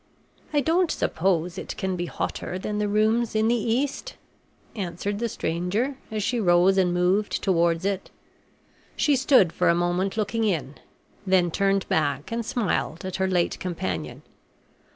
"I don't suppose it can be hotter than the rooms in the East," answered the stranger, as she rose and moved towards it. She stood for a moment looking in, then turned back and smiled at her late companion.